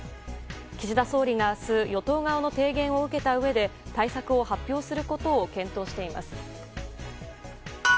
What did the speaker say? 岸田総理が明日与党側の提言を受けたうえで対策を発表することを検討しています。